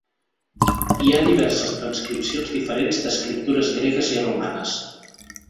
Hi ha diverses transcripcions diferents d'escriptures gregues i romanes.